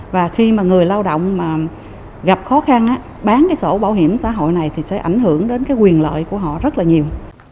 và khi người lao động gặp khó khăn bán sổ bảo hiểm xã hội này thì sẽ ảnh hưởng đến quyền lợi của họ rất là nhiều